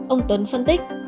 ông tuấn phân tích